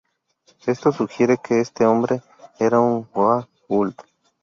Esto sugiere que este hombre era un Goa'uld.